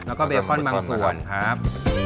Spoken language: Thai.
แล้วก็เบคอนบางส่วนครับ